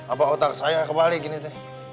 apa otak saya kebalik gini neng